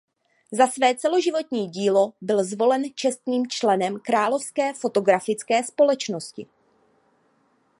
Za své celoživotní dílo byl zvolen čestným členem "Královské fotografické společnosti".